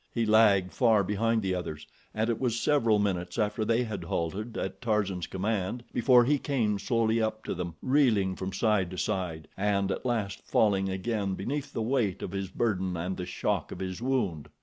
He lagged far behind the others, and it was several minutes after they had halted at Tarzan's command before he came slowly up to them, reeling from side to side, and at last falling again beneath the weight of his burden and the shock of his wound.